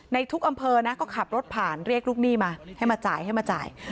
ในทุกอำเภอนะก็ขับรถผ่านเรียกลูกหนี้มาให้มาจ่ายให้มาจ่าย